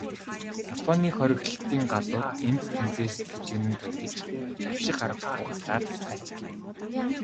Японы хориглолтын галууд энд тэндээс тачигнан тургиж, давших аргагүй галаар хайчилна.